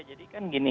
jadi kan gini